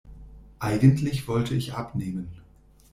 Eigentlich wollte ich abnehmen.